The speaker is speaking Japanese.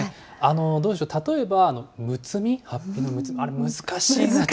どうでしょう、例えば、六つ身、はっぴの六つ身、あれ、難しいな。